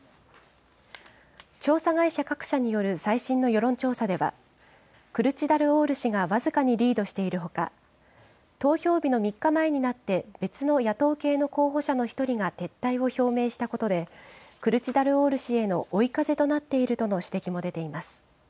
調査会社各社による最新の世論調査では、クルチダルオール氏が僅かにリードしているほか、投票日の３日前になって、別の野党系の候補者の１人が撤退を表明したことで、クルチダルオール氏への追い風となっているとの指摘も出ています。